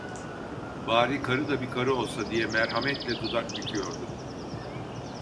"Bari karı da bir karı olsa!" diye merhametle dudak büküyordu.